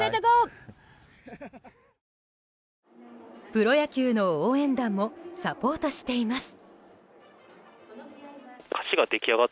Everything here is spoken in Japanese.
プロ野球の応援団もサポートしています。